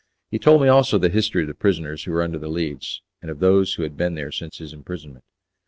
He told me also the history of the prisoners who were under the Leads, and of those who had been there since his imprisonment.